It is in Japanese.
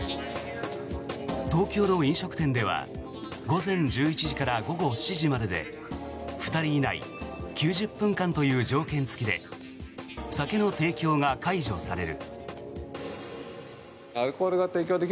東京の飲食店では午前１１時から午後７時までで２人以内９０分間という条件付きで酒の提供が解除される。